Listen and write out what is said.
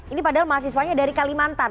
ini padahal mahasiswanya dari kalimantan